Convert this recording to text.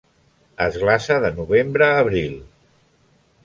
Es glaça de novembre a abril.